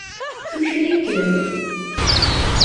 Tuker-ikem.